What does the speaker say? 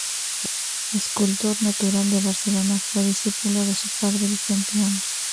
Escultor natural de Barcelona, fue discípulo de su padre Vicente Oms.